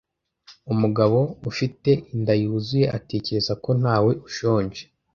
Umugabo ufite inda yuzuye atekereza ko ntawe ushonje.